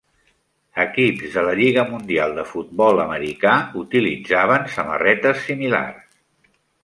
Equips de la Lliga Mundial de Futbol Americà utilitzaven samarretes similars.